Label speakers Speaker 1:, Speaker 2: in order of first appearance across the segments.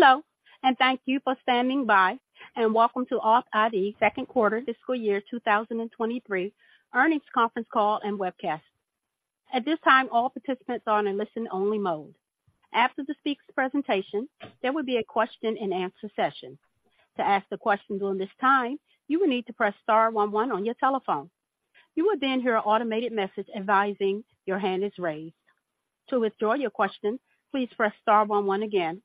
Speaker 1: Hello, and thank you for standing by, and welcome to authID second quarter fiscal year 2023 earnings conference call and webcast. At this time, all participants are in listen only mode. After the speaker's presentation, there will be a question and answer session. To ask the question during this time, you will need to press star one one on your telephone. You will then hear an automated message advising your hand is raised. To withdraw your question, please press star one one again.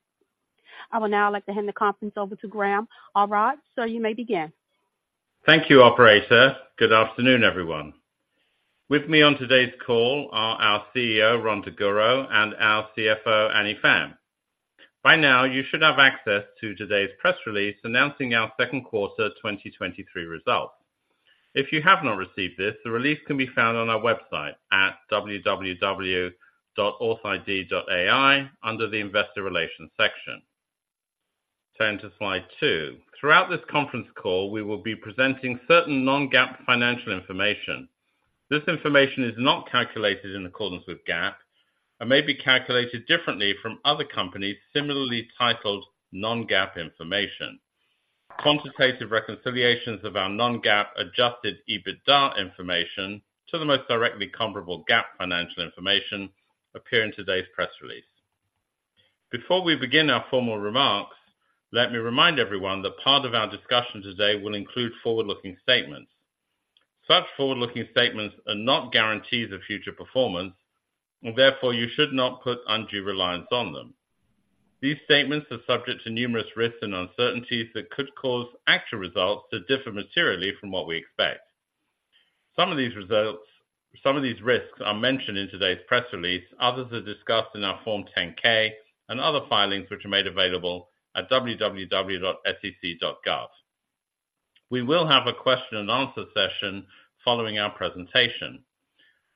Speaker 1: I will now like to hand the conference over to Graham Arad. Sir, you may begin.
Speaker 2: Thank you, operator. Good afternoon, everyone. With me on today's call are our CEO, Rhon Daguro, and our CFO, Annie Pham. By now, you should have access to today's press release announcing our second quarter 2023 results. If you have not received this, the release can be found on our website at www.authid.ai under the investor relations section. Turning to slide two. Throughout this conference call, we will be presenting certain non-GAAP financial information. This information is not calculated in accordance with GAAP and may be calculated differently from other companies similarly titled non-GAAP information. Quantitative reconciliations of our non-GAAP adjusted EBITDA information to the most directly comparable GAAP financial information appear in today's press release. Before we begin our formal remarks, let me remind everyone that part of our discussion today will include forward-looking statements. Such forward-looking statements are not guarantees of future performance, and therefore you should not put undue reliance on them. These statements are subject to numerous risks and uncertainties that could cause actual results to differ materially from what we expect. Some of these risks are mentioned in today's press release. Others are discussed in our Form 10-K and other filings, which are made available at www.sec.gov. We will have a question and answer session following our presentation.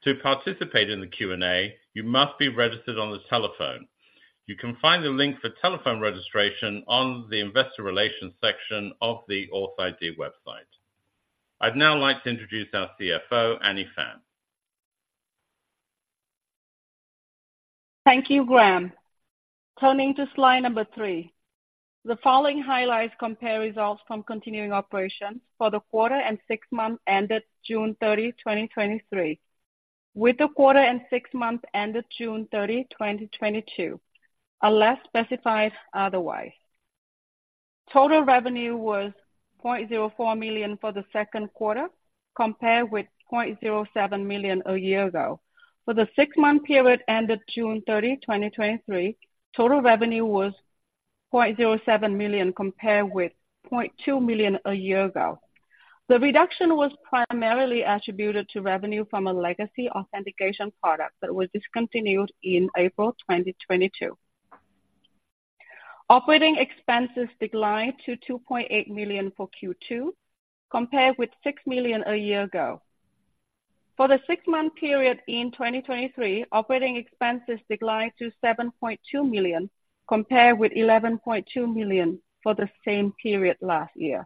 Speaker 2: To participate in the Q&A, you must be registered on the telephone. You can find the link for telephone registration on the Investor Relations section of the authID website. I'd now like to introduce our CFO, Annie Pham.
Speaker 3: Thank you, Graham. Turning to slide number three. The following highlights compare results from continuing operations for the quarter and six months ended June 30, 2023, with the quarter and six months ended June 30, 2022, unless specified otherwise. Total revenue was $0.04 million for the second quarter, compared with $0.07 million a year ago. For the six-month period ended June 30, 2023, total revenue was $0.07 million, compared with $0.2 million a year ago. The reduction was primarily attributed to revenue from a legacy authentication product that was discontinued in April 2022. Operating expenses declined to $2.8 million for Q2, compared with $6 million a year ago. For the six-month period in 2023, operating expenses declined to $7.2 million, compared with $11.2 million for the same period last year.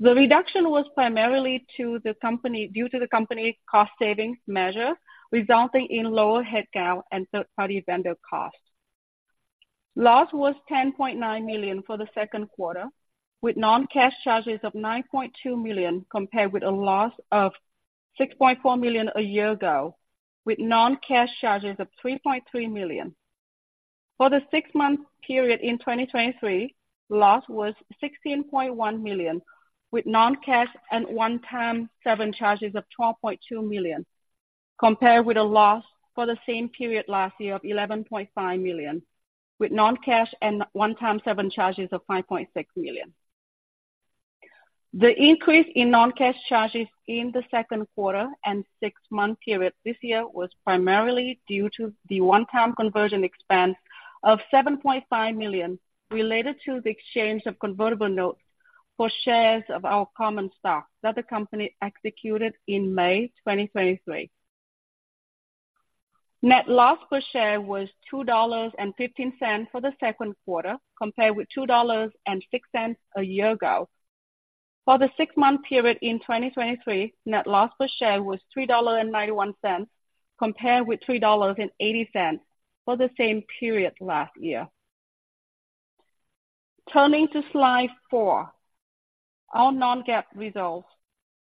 Speaker 3: The reduction was primarily due to the company's cost savings measures, resulting in lower headcount and third-party vendor costs. Loss was $10.9 million for the second quarter, with non-cash charges of $9.2 million, compared with a loss of $6.4 million a year ago, with non-cash charges of $3.3 million. For the six-month period in 2023, loss was $16.1 million, with non-cash and one-time charges of $12.2 million, compared with a loss for the same period last year of $11.5 million, with non-cash and one-time charges of $5.6 million. The increase in non-cash charges in the second quarter and six-month period this year was primarily due to the one-time conversion expense of $7.5 million, related to the exchange of convertible notes for shares of our common stock that the company executed in May 2023. Net loss per share was $2.15 for the second quarter, compared with $2.06 a year ago. For the six-month period in 2023, net loss per share was $3.91, compared with $3.80 for the same period last year. Turning to slide four, our non-GAAP results.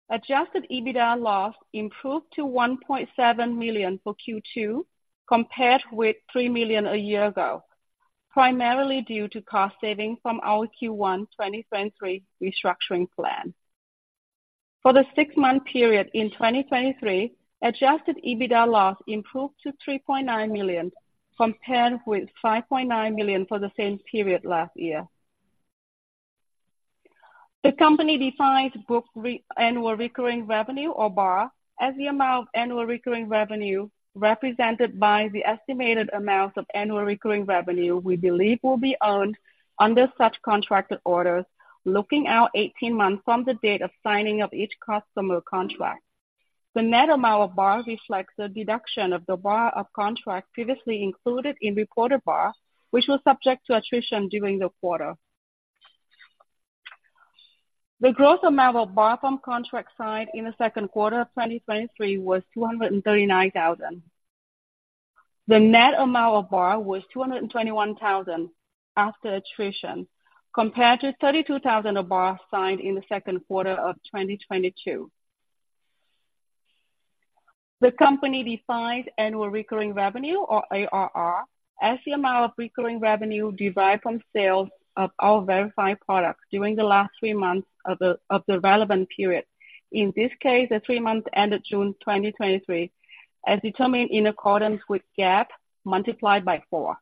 Speaker 3: Adjusted EBITDA loss improved to $1.7 million for Q2, compared with $3 million a year ago, primarily due to cost savings from our Q1 2023 restructuring plan. For the six-month period in 2023, Adjusted EBITDA loss improved to $3.9 million, compared with $5.9 million for the same period last year. The company defines booked annual recurring revenue or ARR, as the amount of annual recurring revenue represented by the estimated amount of annual recurring revenue we believe will be earned under such contracted orders, looking out 18 months from the date of signing of each customer contract. The net amount of ARR reflects the deduction of the ARR of contract previously included in reported ARR, which was subject to attrition during the quarter. The gross amount of BAR from contracts signed in the second quarter of 2023 was $239,000. The net amount of BAR was $221,000 after attrition, compared to $32,000 of BAR signed in the second quarter of 2022. The company defines annual recurring revenue, or ARR, as the amount of recurring revenue derived from sales of our verified products during the last three months of the relevant period. In this case, the three months ended June 2023, as determined in accordance with GAAP, multiplied by four.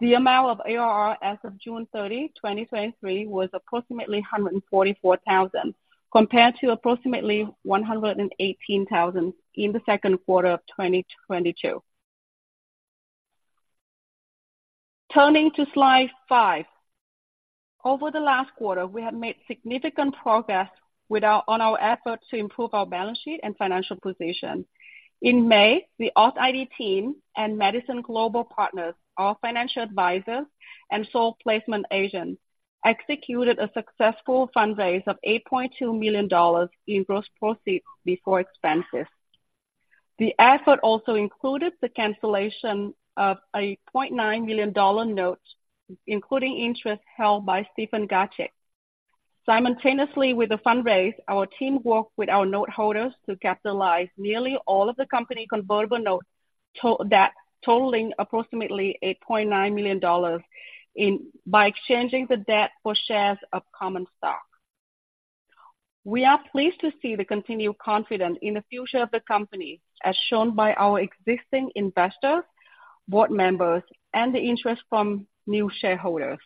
Speaker 3: The amount of ARR as of June 30, 2023, was approximately 144,000, compared to approximately 118,000 in the second quarter of 2022. Turning to slide five. Over the last quarter, we have made significant progress on our efforts to improve our balance sheet and financial position. In May, the authID team and Madison Global Partners, our financial advisors and sole placement agent, executed a successful fundraise of $8.2 million in gross proceeds before expenses. The effort also included the cancellation of a $0.9 million note, including interest held by Stephen Gacek. Simultaneously with the fundraise, our team worked with our note holders to capitalize nearly all of the company convertible notes that totaling approximately $8.9 million in by exchanging the debt for shares of common stock. We are pleased to see the continued confidence in the future of the company, as shown by our existing investors, board members, and the interest from new shareholders.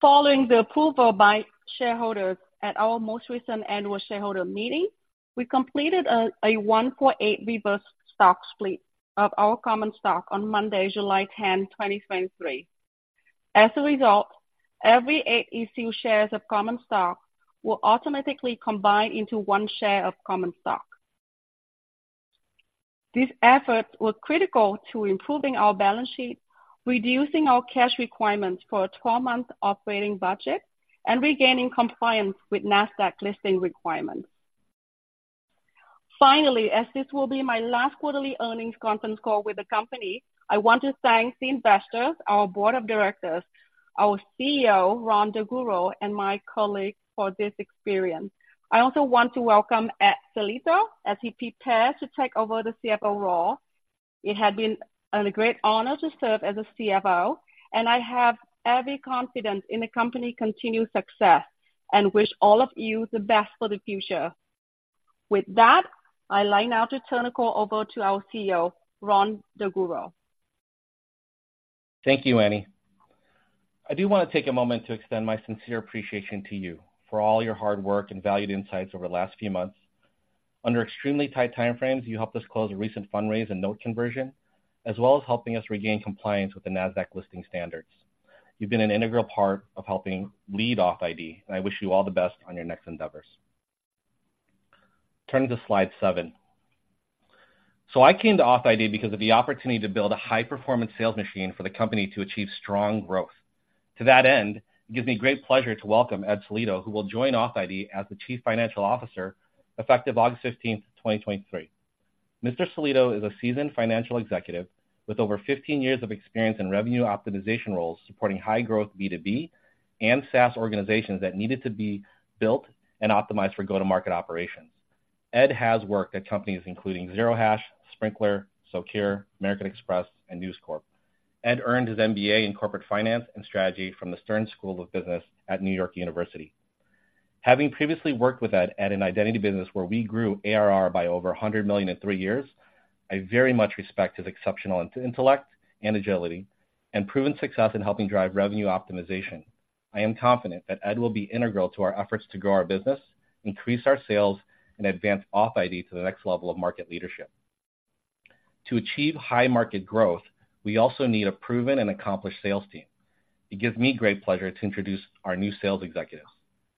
Speaker 3: Following the approval by shareholders at our most recent annual shareholder meeting, we completed a one-for-eight reverse stock split of our common stock on Monday, July 10, 2023. As a result, every eight issued shares of common stock will automatically combine into one share of common stock. These efforts were critical to improving our balance sheet, reducing our cash requirements for a 12-month operating budget, and regaining compliance with NASDAQ listing requirements. Finally, as this will be my last quarterly earnings conference call with the company, I want to thank the investors, our board of directors, our CEO, Rhon Daguro, and my colleagues for this experience. I also want to welcome Ed Sellitto, as he prepares to take over the CFO role. It has been a great honor to serve as the CFO, and I have every confidence in the company's continued success and wish all of you the best for the future. With that, I'd like now to turn the call over to our CEO, Rhon Daguro.
Speaker 4: Thank you, Annie. I do want to take a moment to extend my sincere appreciation to you for all your hard work and valued insights over the last few months. Under extremely tight time frames, you helped us close a recent fundraise and note conversion, as well as helping us regain compliance with the NASDAQ listing standards. You've been an integral part of helping lead authID, and I wish you all the best on your next endeavors. Turning to slide seven. So I came to authID because of the opportunity to build a high-performance sales machine for the company to achieve strong growth. To that end, it gives me great pleasure to welcome Ed Sellitto, who will join authID as the Chief Financial Officer, effective August 15, 2023. Mr. Sellitto is a seasoned financial executive with over 15 years of experience in revenue optimization roles, supporting high-growth B2B and SaaS organizations that needed to be built and optimized for go-to-market operations. Ed has worked at companies including Zero Hash, Sprinklr, Socure, American Express, and News Corp. Ed earned his MBA in Corporate Finance and Strategy from the Stern School of Business at New York University. Having previously worked with Ed at an identity business where we grew ARR by over $100 million in three years, I very much respect his exceptional intellect and agility and proven success in helping drive revenue optimization. I am confident that Ed will be integral to our efforts to grow our business, increase our sales, and advance authID to the next level of market leadership. To achieve high market growth, we also need a proven and accomplished sales team. It gives me great pleasure to introduce our new sales executives,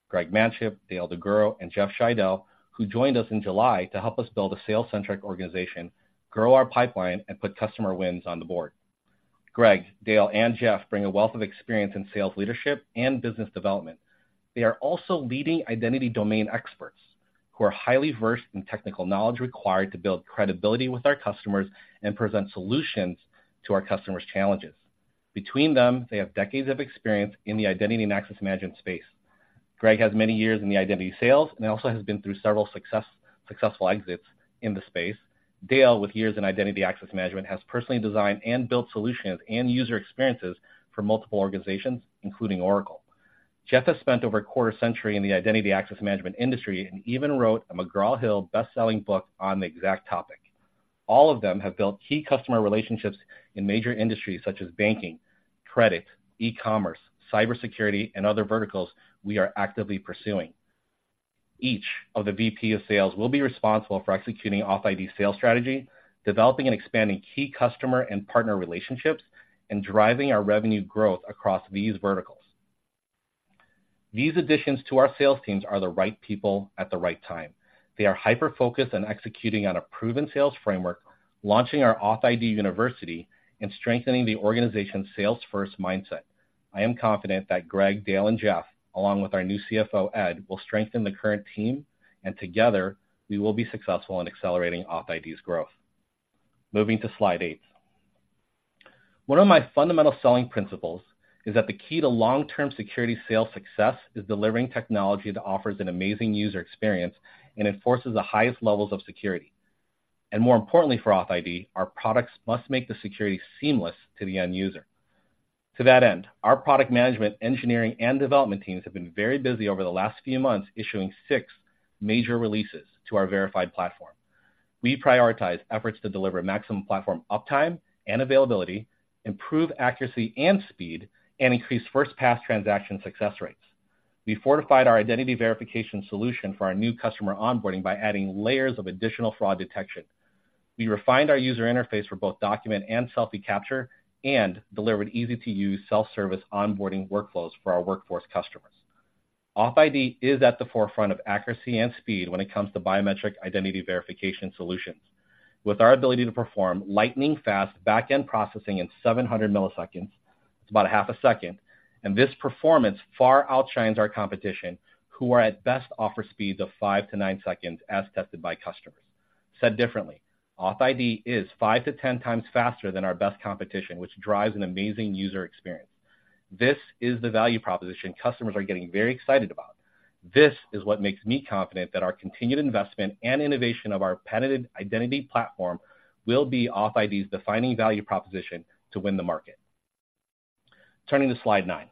Speaker 4: Greg Manchip, Dale DeGuro, and Jeff Scheidel, who joined us in July to help us build a sales-centric organization, grow our pipeline, and put customer wins on the board. Greg, Dale, and Jeff bring a wealth of experience in sales, leadership, and business development. They are also leading identity domain experts who are highly versed in technical knowledge required to build credibility with our customers and present solutions to our customers' challenges. Between them, they have decades of experience in the identity and access management space. Greg has many years in the identity sales and also has been through several successful exits in the space. Dale, with years in identity access management, has personally designed and built solutions and user experiences for multiple organizations, including Oracle. Jeff has spent over a quarter century in the identity access management industry and even wrote a McGraw Hill best-selling book on the exact topic. All of them have built key customer relationships in major industries such as banking, credit, e-commerce, cybersecurity, and other verticals we are actively pursuing. Each of the VP of Sales will be responsible for executing authID sales strategy, developing and expanding key customer and partner relationships, and driving our revenue growth across these verticals... These additions to our sales teams are the right people at the right time. They are hyper-focused on executing on a proven sales framework, launching our authID University, and strengthening the organization's sales-first mindset. I am confident that Greg, Dale, and Jeff, along with our new CFO, Ed, will strengthen the current team, and together, we will be successful in accelerating authID's growth. Moving to slide eight. One of my fundamental selling principles is that the key to long-term security sales success is delivering technology that offers an amazing user experience and enforces the highest levels of security. And more importantly, for authID, our products must make the security seamless to the end user. To that end, our product management, engineering, and development teams have been very busy over the last few months issuing six major releases to our Verified platform. We prioritize efforts to deliver maximum platform uptime and availability, improve accuracy and speed, and increase first pass transaction success rates. We fortified our identity verification solution for our new customer onboarding by adding layers of additional fraud detection. We refined our user interface for both document and selfie capture and delivered easy-to-use self-service onboarding workflows for our workforce customers. AuthID is at the forefront of accuracy and speed when it comes to biometric identity verification solutions. With our ability to perform lightning-fast back-end processing in 700 milliseconds, it's about a half a second, and this performance far outshines our competition, who, at best, offer speeds of five to nine seconds as tested by customers. Said differently, authID is five to 10x faster than our best competition, which drives an amazing user experience. This is the value proposition customers are getting very excited about. This is what makes me confident that our continued investment and innovation of our patented identity platform will be authID's defining value proposition to win the market. Turning to slide nine.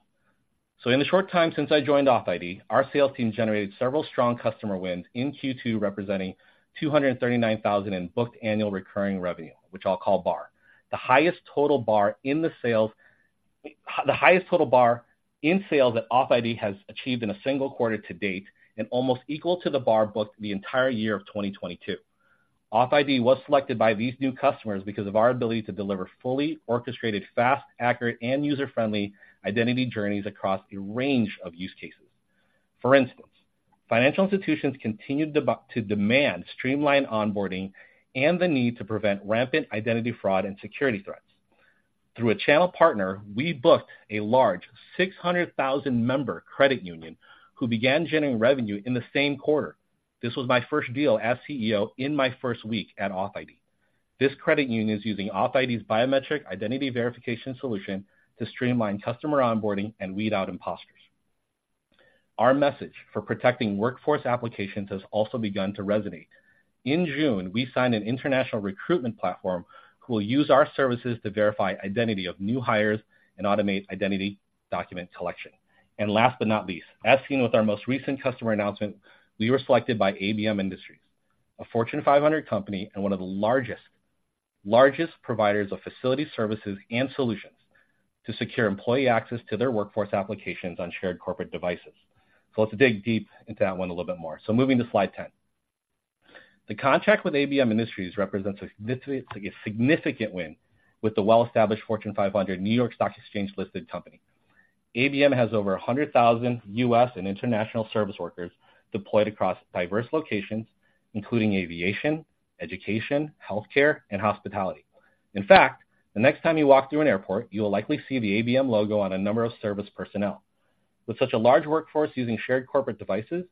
Speaker 4: So in the short time since I joined authID, our sales team generated several strong customer wins in Q2, representing $239,000 in booked annual recurring revenue, which I'll call BAR. The highest total BAR in sales that authID has achieved in a single quarter to date, and almost equal to the BAR booked the entire year of 2022. authID was selected by these new customers because of our ability to deliver fully orchestrated, fast, accurate, and user-friendly identity journeys across a range of use cases. For instance, financial institutions continued to demand streamlined onboarding and the need to prevent rampant identity fraud and security threats. Through a channel partner, we booked a large 600,000-member credit union who began generating revenue in the same quarter. This was my first deal as CEO in my first week at authID. This credit union is using authID's biometric identity verification solution to streamline customer onboarding and weed out imposters. Our message for protecting workforce applications has also begun to resonate. In June, we signed an international recruitment platform who will use our services to verify identity of new hires and automate identity document collection. Last but not least, as seen with our most recent customer announcement, we were selected by ABM Industries, a Fortune 500 company and one of the largest, largest providers of facility services and solutions to secure employee access to their workforce applications on shared corporate devices. Let's dig deep into that one a little bit more. Moving to slide 10. The contract with ABM Industries represents a significant win with the well-established Fortune 500 New York Stock Exchange-listed company. ABM has over 100,000 US and international service workers deployed across diverse locations, including aviation, education, healthcare, and hospitality. In fact, the next time you walk through an airport, you will likely see the ABM logo on a number of service personnel. With such a large workforce using shared corporate devices,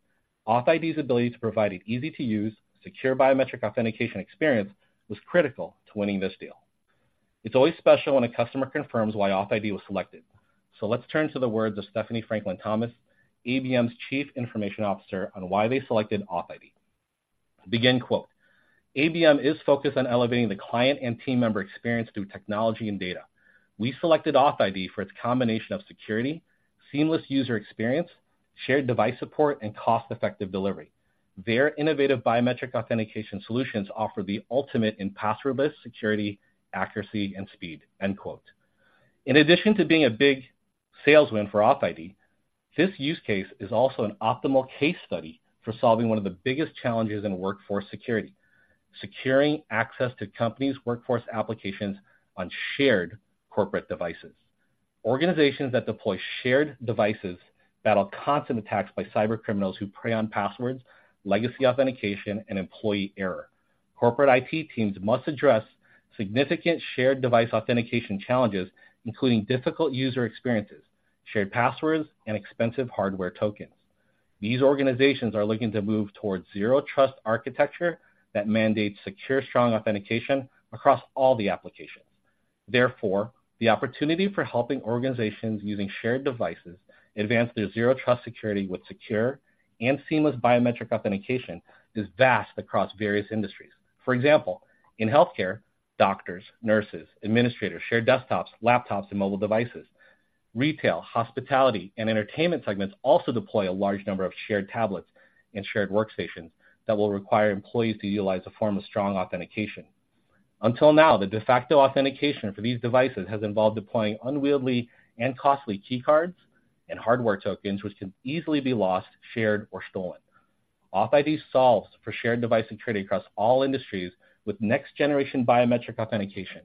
Speaker 4: authID's ability to provide an easy-to-use, secure biometric authentication experience was critical to winning this deal. It's always special when a customer confirms why authID was selected. So let's turn to the words of Stephanie Franklin-Thomas, ABM's Chief Information Officer, on why they selected authID. Begin quote, "ABM is focused on elevating the client and team member experience through technology and data. We selected authID for its combination of security, seamless user experience, shared device support, and cost-effective delivery. Their innovative biometric authentication solutions offer the ultimate in passwordless security, accuracy, and speed." End quote. In addition to being a big sales win for authID, this use case is also an optimal case study for solving one of the biggest challenges in workforce security: securing access to companies' workforce applications on shared corporate devices. Organizations that deploy shared devices battle constant attacks by cybercriminals who prey on passwords, legacy authentication, and employee error. Corporate IT teams must address significant shared device authentication challenges, including difficult user experiences, shared passwords, and expensive hardware tokens. These organizations are looking to move towards Zero Trust architecture that mandates secure, strong authentication across all the applications. Therefore, the opportunity for helping organizations using shared devices advance their Zero Trust security with secure and seamless biometric authentication is vast across various industries. For example, in healthcare, doctors, nurses, administrators share desktops, laptops, and mobile devices. Retail, hospitality, and entertainment segments also deploy a large number of shared tablets and shared workstations that will require employees to utilize a form of strong authentication. Until now, the de facto authentication for these devices has involved deploying unwieldy and costly key cards and hardware tokens, which can easily be lost, shared, or stolen.... authID solves for shared device integrity across all industries with next-generation biometric authentication.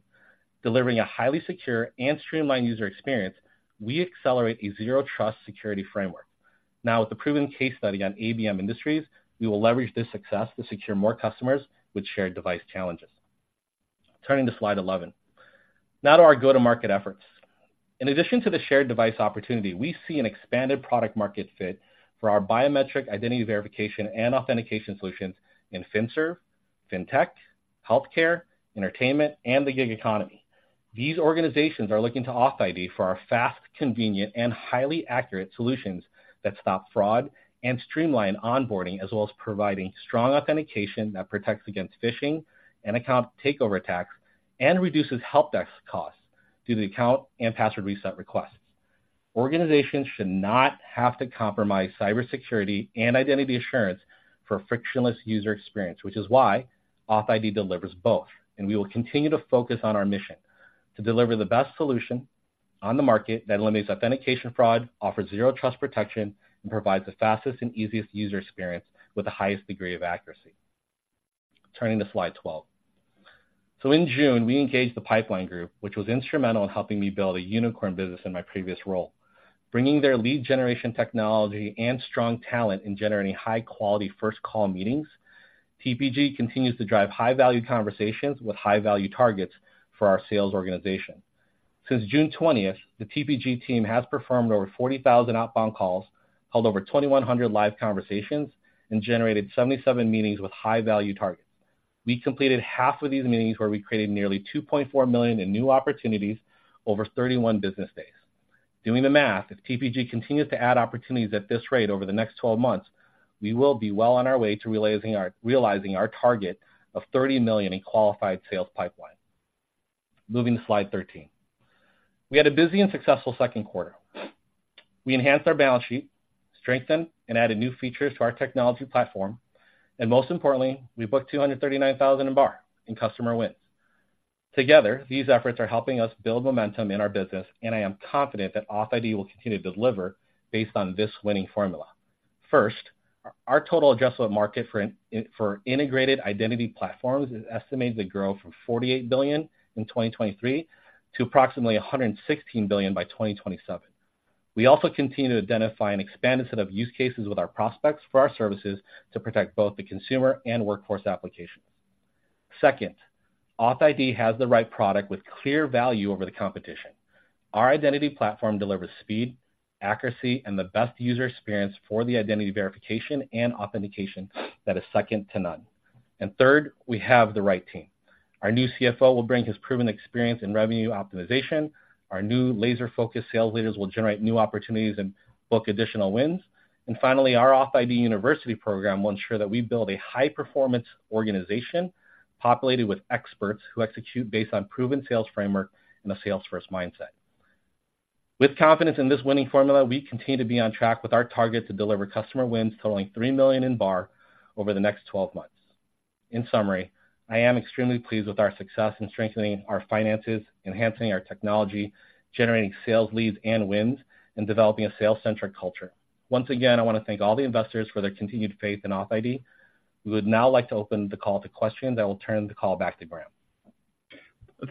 Speaker 4: Delivering a highly secure and streamlined user experience, we accelerate a Zero Trust security framework. Now, with the proven case study on ABM Industries, we will leverage this success to secure more customers with shared device challenges. Turning to slide 11. Now to our go-to-market efforts. In addition to the shared device opportunity, we see an expanded product market fit for our biometric identity verification and authentication solutions in FinServ, Fintech, healthcare, entertainment, and the gig economy. These organizations are looking to authID for our fast, convenient, and highly accurate solutions that stop fraud and streamline onboarding, as well as providing strong authentication that protects against phishing and account takeover attacks, and reduces help desk costs due to account and password reset requests. Organizations should not have to compromise cybersecurity and identity assurance for a frictionless user experience, which is why authID delivers both, and we will continue to focus on our mission: to deliver the best solution on the market that eliminates authentication fraud, offers Zero Trust protection, and provides the fastest and easiest user experience with the highest degree of accuracy. Turning to slide 12. So in June, we engaged the Pipeline Group, which was instrumental in helping me build a unicorn business in my previous role. Bringing their lead generation technology and strong talent in generating high-quality first call meetings, TPG continues to drive high-value conversations with high-value targets for our sales organization. Since June 20, the TPG team has performed over 40,000 outbound calls, held over 2,100 live conversations, and generated 77 meetings with high-value targets. We completed half of these meetings, where we created nearly $2.4 million in new opportunities over 31 business days. Doing the math, if TPG continues to add opportunities at this rate over the next 12 months, we will be well on our way to realizing our, realizing our target of $30 million in qualified sales pipeline. Moving to slide 13. We had a busy and successful second quarter. We enhanced our balance sheet, strengthened and added new features to our technology platform, and most importantly, we booked $239,000 in BAR in customer wins. Together, these efforts are helping us build momentum in our business, and I am confident that authID will continue to deliver based on this winning formula. First, our total addressable market for integrated identity platforms is estimated to grow from $48 billion in 2023 to approximately $116 billion by 2027. We also continue to identify an expanded set of use cases with our prospects for our services to protect both the consumer and workforce applications. Second, authID has the right product with clear value over the competition. Our identity platform delivers speed, accuracy, and the best user experience for the identity verification and authentication that is second to none. Third, we have the right team. Our new CFO will bring his proven experience in revenue optimization, our new laser-focused sales leaders will generate new opportunities and book additional wins. Finally, our authID University program will ensure that we build a high-performance organization populated with experts who execute based on proven sales framework and a sales-first mindset. With confidence in this winning formula, we continue to be on track with our target to deliver customer wins totaling $3 million in BAR over the next 12 months. In summary, I am extremely pleased with our success in strengthening our finances, enhancing our technology, generating sales leads and wins, and developing a sales-centric culture. Once again, I want to thank all the investors for their continued faith in authID. We would now like to open the call to questions, and I will turn the call back to Graham.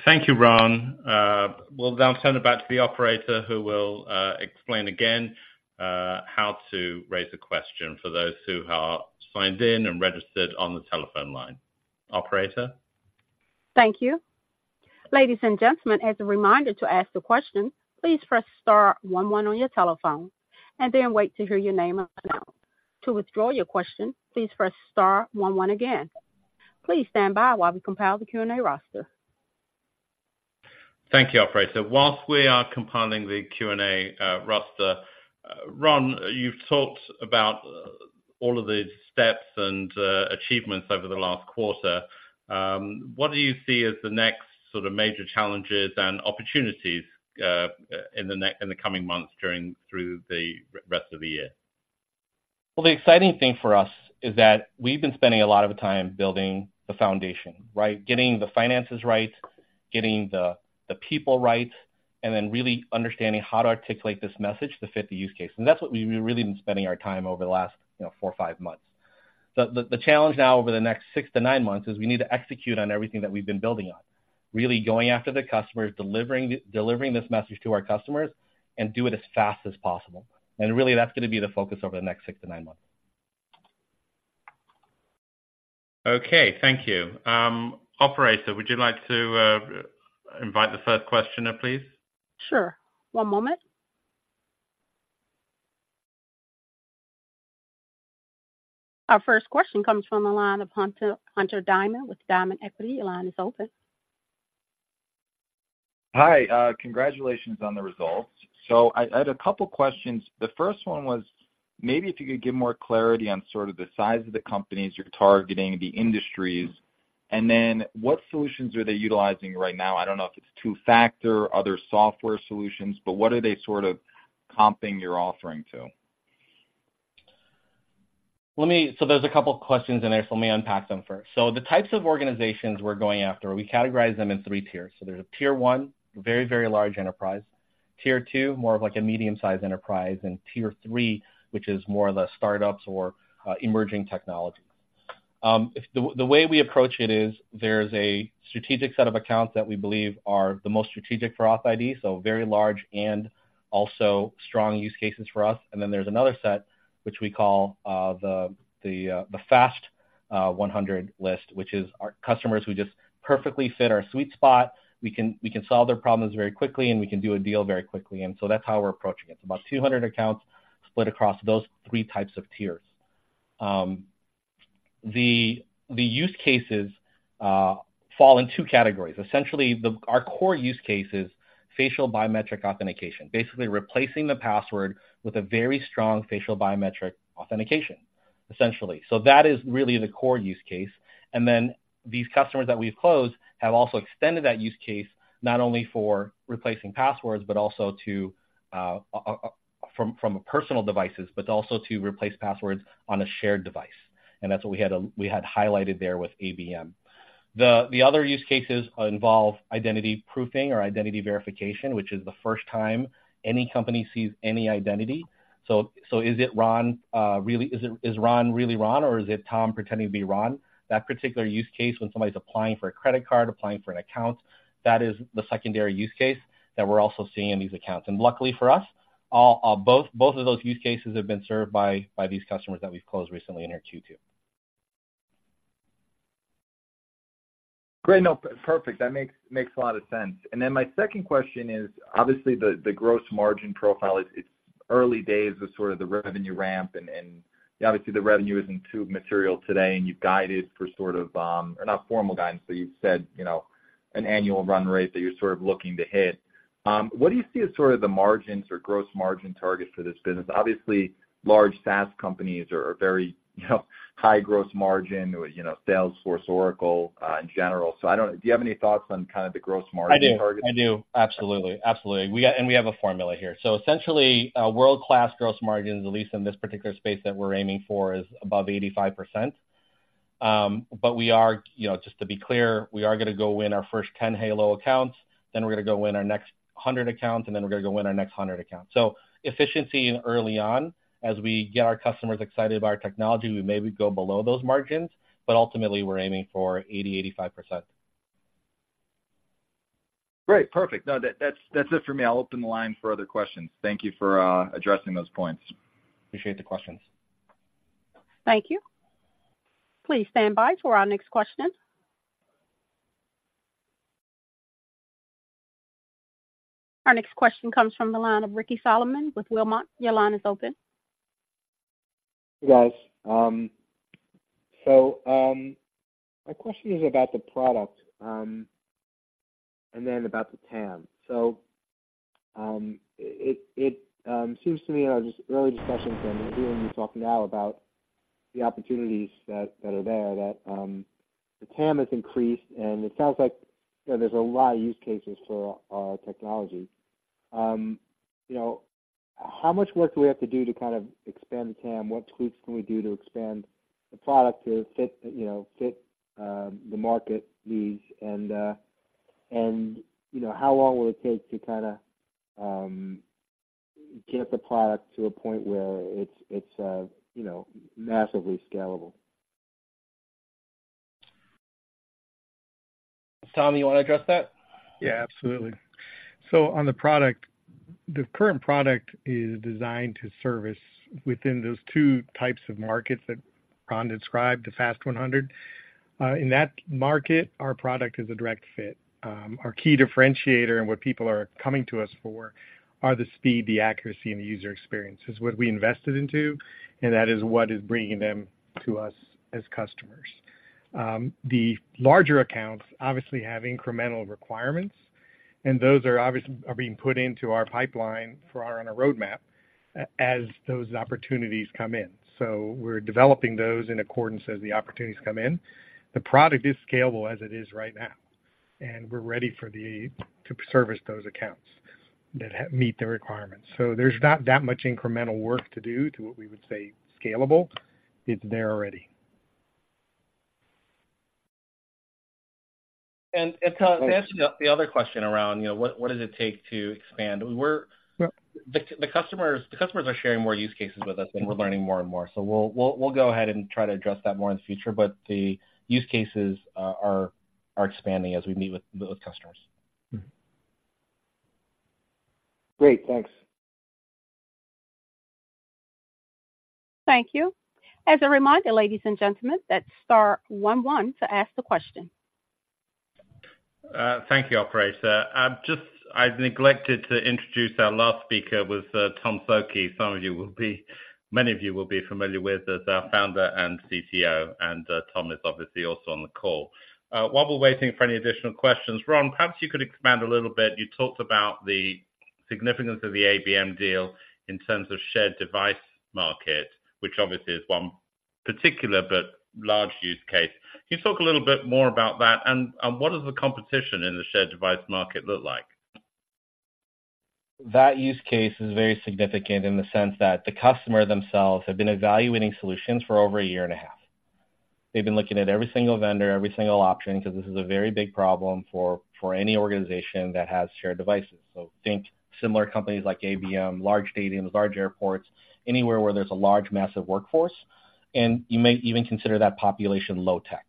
Speaker 2: Thank you, Rhon. We'll now turn it back to the operator, who will explain again how to raise a question for those who are signed in and registered on the telephone line. Operator?
Speaker 1: Thank you. Ladies and gentlemen, as a reminder to ask a question, please press star one one on your telephone and then wait to hear your name announced. To withdraw your question, please press star one one again. Please stand by while we compile the Q&A roster.
Speaker 2: Thank you, operator. While we are compiling the Q&A roster, Rhon, you've talked about all of the steps and achievements over the last quarter. What do you see as the next sort of major challenges and opportunities in the coming months through the rest of the year?
Speaker 4: Well, the exciting thing for us is that we've been spending a lot of time building the foundation, right? Getting the finances right, getting the people right, and then really understanding how to articulate this message to fit the use case. And that's what we've really been spending our time over the last, you know, four or five months. The challenge now over the next 6-9 months is we need to execute on everything that we've been building on. Really going after the customers, delivering this message to our customers, and do it as fast as possible. And really, that's going to be the focus over the next six to nine months.
Speaker 2: Okay, thank you. Operator, would you like to invite the first questioner, please?
Speaker 1: Sure. One moment. Our first question comes from the line of Hunter, Hunter Diamond with Diamond Equity. Your line is open.
Speaker 5: Hi, congratulations on the results. So I had a couple questions. The first one was, maybe if you could give more clarity on sort of the size of the companies you're targeting, the industries, and then what solutions are they utilizing right now? I don't know if it's two factor, other software solutions, but what are they sort of comping your offering to?
Speaker 4: So there's a couple questions in there, so let me unpack them first. So the types of organizations we're going after, we categorize them in three tiers. So there's a Tier one, very, very large enterprise. Tier two, more of like a medium-size enterprise, and Tier three, which is more the startups or emerging technology. If the way we approach it is there's a strategic set of accounts that we believe are the most strategic for authID, so very large and also strong use cases for us. And then there's another set which we call the Fast 100 list, which is our customers who just perfectly fit our sweet spot. We can solve their problems very quickly, and we can do a deal very quickly. And so that's how we're approaching it. About 200 accounts split across those three types of tiers. The use cases fall in two categories. Essentially, the -- our core use case is facial biometric authentication, basically replacing the password with a very strong facial biometric authentication, essentially. So that is really the core use case. And then these customers that we've closed have also extended that use case, not only for replacing passwords, but also to from personal devices, but also to replace passwords on a shared device. And that's what we had, we had highlighted there with ABM. The other use cases involve identity proofing or identity verification, which is the first time any company sees any identity. So is it Rhon really... Is Rhon really Rhon, or is it Tom pretending to be Rhon? That particular use case when somebody's applying for a credit card, applying for an account, that is the secondary use case that we're also seeing in these accounts. Luckily for us, all, both, both of those use cases have been served by, by these customers that we've closed recently in our Q2.
Speaker 5: Great. No, perfect. That makes a lot of sense. And then my second question is, obviously, the gross margin profile, it's early days of sort of the revenue ramp, and obviously the revenue isn't too material today, and you've guided for sort of, or not formal guidance, but you've said, you know, an annual run rate that you're sort of looking to hit. What do you see as sort of the margins or gross margin targets for this business? Obviously, large SaaS companies are very, you know, high gross margin, you know, Salesforce, Oracle, in general. So I don't know. Do you have any thoughts on kind of the gross margin target?
Speaker 4: I do. I do. Absolutely. Absolutely. We have a formula here. So essentially, a world-class gross margin, at least in this particular space that we're aiming for, is above 85%. But we are, you know, just to be clear, we are gonna go win our first 10 halo accounts, then we're gonna go win our next 100 accounts, and then we're gonna go win our next 100 accounts. So efficiency early on, as we get our customers excited about our technology, we maybe go below those margins, but ultimately we're aiming for 80%-85%.
Speaker 5: Great, perfect. No, that's it for me. I'll open the line for other questions. Thank you for addressing those points.
Speaker 4: Appreciate the questions.
Speaker 1: Thank you. Please stand by for our next question. Our next question comes from the line of Ricky Solomon with Wilmot. Your line is open.
Speaker 6: Hey, guys. So, my question is about the product, and then about the TAM. So, it seems to me in our just early discussions and hearing you talk now about the opportunities that are there, that the TAM has increased, and it sounds like, you know, there's a lot of use cases for our technology. You know, how much work do we have to do to kind of expand the TAM? What tweaks can we do to expand the product to fit, you know, fit the market needs? And, and, you know, how long will it take to kinda get the product to a point where it's, it's, you know, massively scalable?
Speaker 4: Tom, you want to address that?
Speaker 7: Yeah, absolutely. So on the product, the current product is designed to service within those two types of markets that Rhon described, the Fortune 100. In that market, our product is a direct fit. Our key differentiator and what people are coming to us for are the speed, the accuracy, and the user experience. It's what we invested into, and that is what is bringing them to us as customers. The larger accounts obviously have incremental requirements, and those are obviously being put into our pipeline on our roadmap as those opportunities come in. So we're developing those in accordance as the opportunities come in. The product is scalable as it is right now, and we're ready to service those accounts that meet the requirements. There's not that much incremental work to do to what we would say scalable. It's there already.
Speaker 4: To answer the other question around, you know, what does it take to expand? We're-
Speaker 6: Yep.
Speaker 4: The customers are sharing more use cases with us, and we're learning more and more. So we'll go ahead and try to address that more in the future. But the use cases are expanding as we meet with those customers.
Speaker 7: Mm-hmm.
Speaker 6: Great. Thanks.
Speaker 1: Thank you. As a reminder, ladies and gentlemen, that's star one one to ask the question.
Speaker 2: Thank you, operator. I've just neglected to introduce our last speaker, Tom Szoke. Many of you will be familiar with him as our founder and CTO, and Tom is obviously also on the call. While we're waiting for any additional questions, Rhon, perhaps you could expand a little bit. You talked about the significance of the ABM deal in terms of shared device market, which obviously is one particular but large use case. Can you talk a little bit more about that, and what does the competition in the shared device market look like?
Speaker 4: That use case is very significant in the sense that the customer themselves have been evaluating solutions for over a year and a half. They've been looking at every single vendor, every single option, because this is a very big problem for any organization that has shared devices. So think similar companies like ABM, large stadiums, large airports, anywhere where there's a large, massive workforce, and you may even consider that population low tech.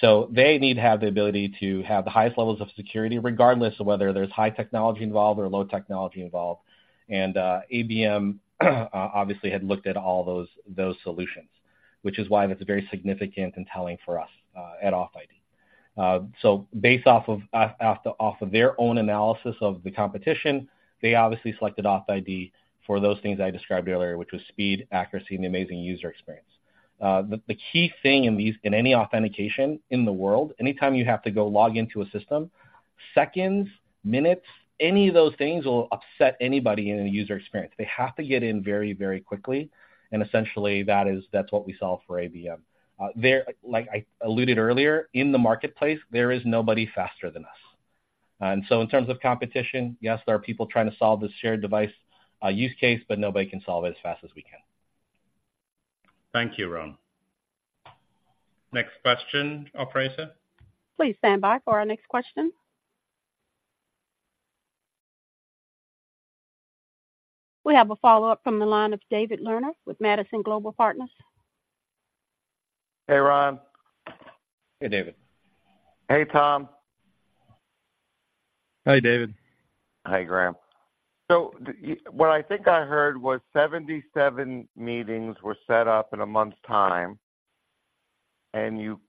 Speaker 4: So they need to have the ability to have the highest levels of security, regardless of whether there's high technology involved or low technology involved. And ABM obviously had looked at all those solutions, which is why that's very significant and telling for us at authID. So based off of their own analysis of the competition, they obviously selected authID for those things I described earlier, which was speed, accuracy, and amazing user experience. The key thing in these in any authentication in the world, anytime you have to go log into a system, seconds, minutes, any of those things will upset anybody in a user experience. They have to get in very, very quickly, and essentially, that's what we solve for ABM. There, like I alluded earlier, in the marketplace, there is nobody faster than us. And so in terms of competition, yes, there are people trying to solve this shared device use case, but nobody can solve it as fast as we can.
Speaker 2: Thank you, Rhon. Next question, operator.
Speaker 1: Please stand by for our next question. We have a follow-up from the line of David Lerner with Madison Global Partners.
Speaker 8: Hey, Rhon.
Speaker 4: Hey, David.
Speaker 8: Hey, Tom.
Speaker 7: Hi, David.
Speaker 8: Hi, Graham. So what I think I heard was 77 meetings were set up in a month's time, and you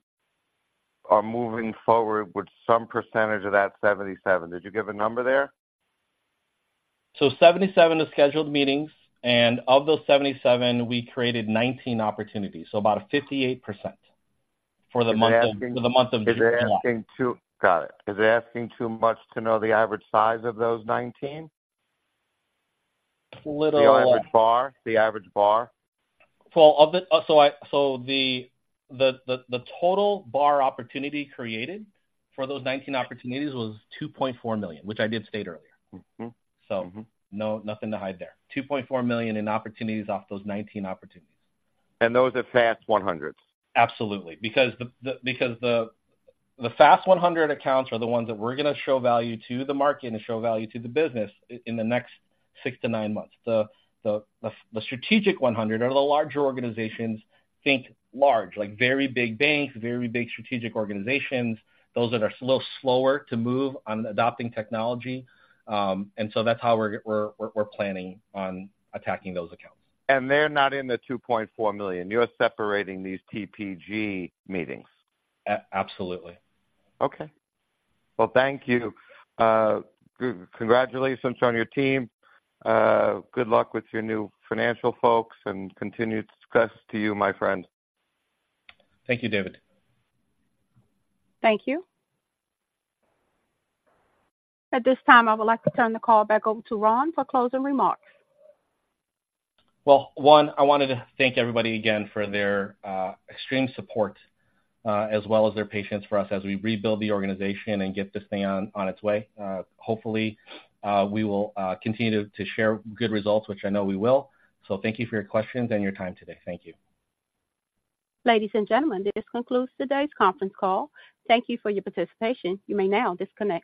Speaker 8: are moving forward with some percentage of that 77. Did you give a number there?
Speaker 4: So 77 is scheduled meetings, and of those 77, we created 19 opportunities, so about a 58% for the month of-
Speaker 8: Is it asking-
Speaker 4: For the month of June, yeah.
Speaker 8: Got it. Is it asking too much to know the average size of those 19?
Speaker 4: Little, uh-
Speaker 8: The average BAR? The average BAR.
Speaker 4: Well, so the total BAR opportunity created for those 19 opportunities was $2.4 million, which I did state earlier.
Speaker 8: Mm-hmm.
Speaker 4: So-
Speaker 8: Mm-hmm.
Speaker 4: - no, nothing to hide there. $2.4 million in opportunities off those 19 opportunities.
Speaker 8: Those are Fast 100s?
Speaker 4: Absolutely, because the Fast 100 accounts are the ones that we're going to show value to the market and show value to the business in the next 6-9 months. The strategic 100 are the larger organizations, think large, like very big banks, very big strategic organizations. Those that are a little slower to move on adopting technology, and so that's how we're planning on attacking those accounts.
Speaker 8: They're not in the $2.4 million. You're separating these TPG meetings?
Speaker 4: A-absolutely.
Speaker 8: Okay. Well, thank you. Congratulations on your team. Good luck with your new financial folks, and continued success to you, my friend.
Speaker 4: Thank you, David.
Speaker 1: Thank you. At this time, I would like to turn the call back over to Rhon for closing remarks.
Speaker 4: Well, one, I wanted to thank everybody again for their extreme support, as well as their patience for us as we rebuild the organization and get this thing on its way. Hopefully, we will continue to share good results, which I know we will. So thank you for your questions and your time today. Thank you.
Speaker 1: Ladies and gentlemen, this concludes today's conference call. Thank you for your participation. You may now disconnect.